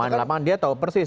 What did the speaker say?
di lapangan dia tahu persis